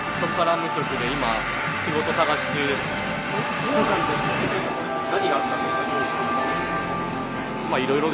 そうなんですか。